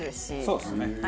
そうですよね。